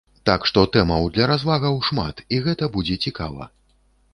Так што тэмаў для развагаў шмат, і гэта будзе цікава!